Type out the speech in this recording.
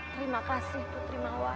terima kasih putri mawar